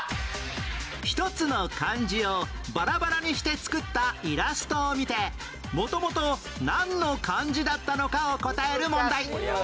１つの漢字をバラバラにして作ったイラストを見て元々なんの漢字だったのかを答える問題